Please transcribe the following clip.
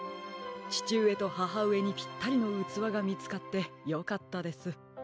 ちちうえとははうえにぴったりのうつわがみつかってよかったです。